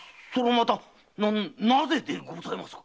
またなぜでございますか？